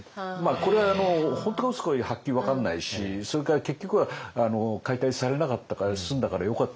これは本当かうそかはっきり分からないしそれから結局は解体されなかったから済んだからよかったんですけどね。